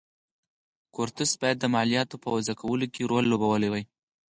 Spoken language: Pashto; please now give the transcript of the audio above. کورتس باید د مالیاتو په وضعه کولو کې رول لوبولی وای.